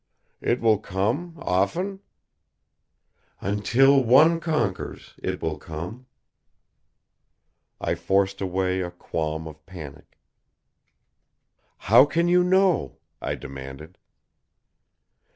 "It will come often?" "Until one conquers, It will come." I forced away a qualm of panic. "How can you know?" I demanded.